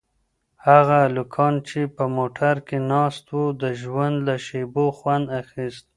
هغه هلکان چې په موټر کې ناست وو د ژوند له شېبو خوند اخیست.